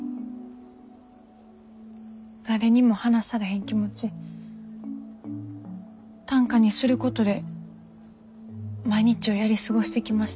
誰にも話されへん気持ち短歌にすることで毎日をやり過ごしてきました。